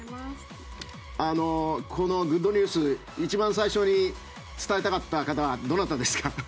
このグッドニュース一番最初に伝えたかった方はどなたですか？